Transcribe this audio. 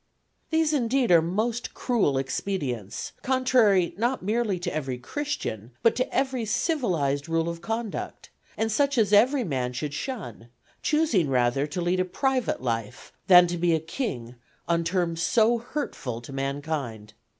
These indeed are most cruel expedients, contrary not merely to every Christian, but to every civilized rule of conduct, and such as every man should shun, choosing rather to lead a private life than to be a king on terms so hurtful to mankind.